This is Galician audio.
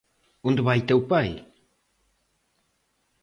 ¿Onde vai teu pai?